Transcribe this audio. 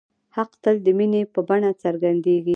حق تل د مینې په بڼه څرګندېږي.